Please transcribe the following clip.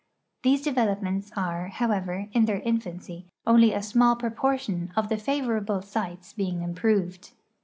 These develo])ments are, however, in their infancy, only a small ])roportlon of the favorable sites being im jiroved.